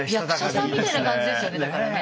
役者さんみたいな感じですよねだからね